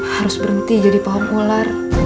harus berhenti jadi pawang pula